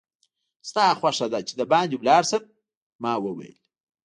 ستا خوښه ده چې دباندې ولاړ شم؟ ما وویل.